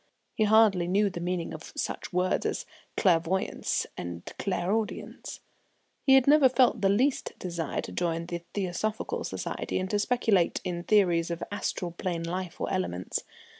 He hardly knew the meaning of such words as "clairvoyance" and "clairaudience." He had never felt the least desire to join the Theosophical Society and to speculate in theories of astral plane life, or elementals.